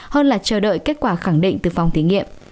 hơn là chờ đợi kết quả khẳng định từ phòng thí nghiệm